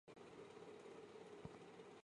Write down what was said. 吴宽葬于木渎西花园山。